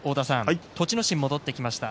栃ノ心、戻ってきました。